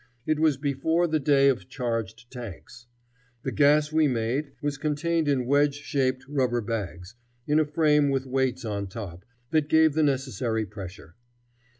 It was before the day of charged tanks. The gas we made was contained in wedge shaped rubber bags, in a frame with weights on top that gave the necessary pressure.